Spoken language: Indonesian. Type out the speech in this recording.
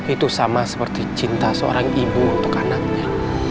itu sama seperti cinta seorang ibu untuk anaknya